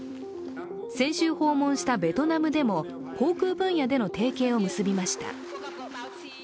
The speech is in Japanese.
先週訪問したベトナムでも航空分野での提携を結びました。